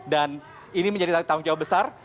dan ini menjadi tanggung jawab besar